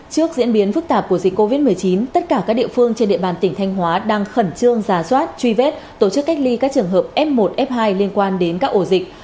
trước diễn biến phức tạp của dịch covid một mươi chín tất cả các địa phương trên địa bàn tỉnh thanh hóa đang khẩn trương giả soát truy vết tổ chức cách ly các trường hợp f một f hai liên quan đến các ổ dịch